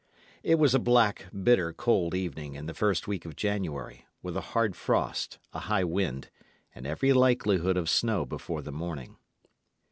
It was a black, bitter cold evening in the first week of January, with a hard frost, a high wind, and every likelihood of snow before the morning.